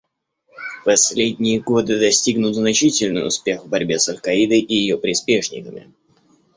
В последние годы достигнут значительный успех в борьбе с «Аль-Каидой» и ее приспешниками.